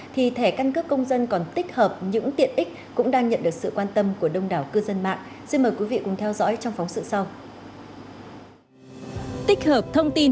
thì thẻ căn cước công dân còn tích hợp những tiện ích cũng đang nhận được sự quan tâm của đông đảo cư dân mạng